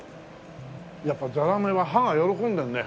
やっぱザラメは歯が喜んでるね。